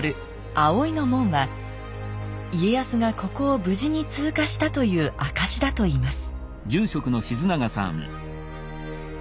葵の紋は家康がここを無事に通過したという証しだといいます